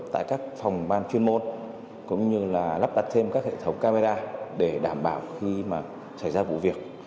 tại các phòng ban chuyên môn cũng như là lắp đặt thêm các hệ thống camera để đảm bảo khi mà xảy ra vụ việc